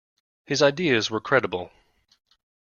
His ideas were credible.